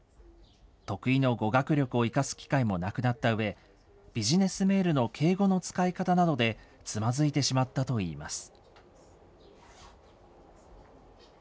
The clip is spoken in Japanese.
得意の語学力を生かす機会もなくなったうえ、ビジネスメールの敬語の使い方などでつまずいてしまったといいます。